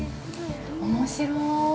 おもしろ。